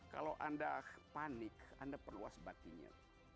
kalau anda panik anda perlu wasbatinya